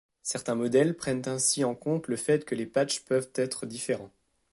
Certains modèles prennent ainsi en compte le fait que les patchs peuvent être différents.